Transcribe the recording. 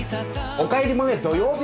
「おかえりモネ」土曜日！